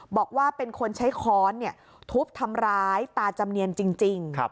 บอกว่าเป็นคนใช้ค้อนทุบทำร้ายตาจำเนียนจริง